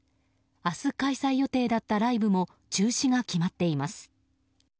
明日開催予定だったライブも中止が決まっています。